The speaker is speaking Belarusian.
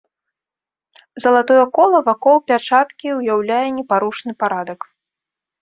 Залатое кола вакол пячаткі ўяўляе непарушны парадак.